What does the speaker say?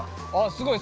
すごい。